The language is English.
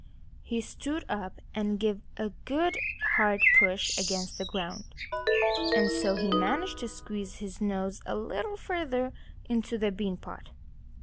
He stood up and gave a good, hard push against the ground. And so he managed to squeeze his nose a little further into the bean pot.